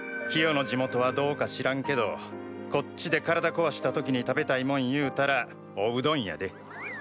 キヨの地元はどうか知らんけどこっちで体こわした時に食べたいもんいうたらおうどんやで。